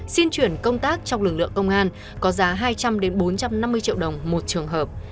xin chuyển công tác trong lực lượng công an có giá hai trăm linh bốn trăm năm mươi triệu đồng một trường hợp